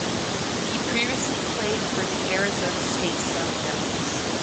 He previously played for the Arizona State Sun Devils.